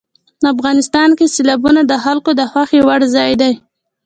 افغانستان کې سیلابونه د خلکو د خوښې وړ ځای دی.